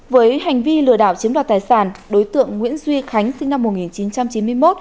với hành vi lừa đảo chiếm đoạt tài sản đối tượng nguyễn duy khánh sinh năm một nghìn chín trăm chín mươi một